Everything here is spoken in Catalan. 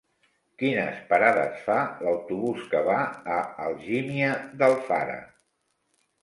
Quines parades fa l'autobús que va a Algímia d'Alfara?